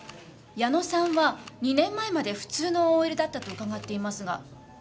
矢野さんは２年前まで普通のＯＬだったと伺っていますが。